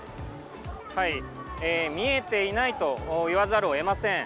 はい、見えていないと言わざるをえません。